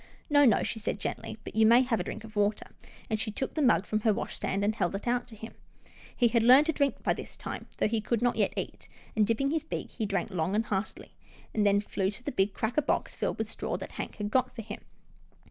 " No, no," she said gently, " but you may have a drink of water," and she took the mug from her washstand, and held it out to him. He had learned to drink by this time, though he could not yet eat, and, dipping in his beak, he drank long and heartily, and then flew to the big cracker box filled with straw that Hank had got for him.